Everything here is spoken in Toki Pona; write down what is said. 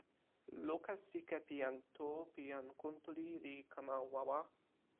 luka sike pi jan Tu pi jan Kuntuli li kama wawa.